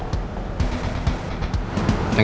thank you segi